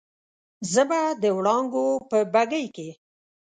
زه به د وړانګو په بګۍ کې